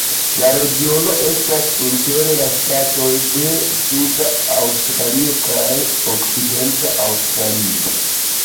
La regiono estas inter la ŝtatoj de Suda Aŭstralio kaj Okcidenta Aŭstralio.